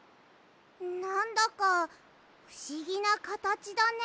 なんだかふしぎなかたちだね。